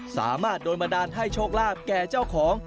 สามารถโดนบันดาลให้โชคลาภแก่เจ้าของ